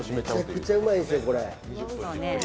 めちゃくちゃうまいんですよ、これ。